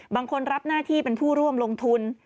รับหน้าที่เป็นผู้ร่วมลงทุน